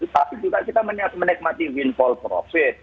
tapi juga kita menikmati windfall profit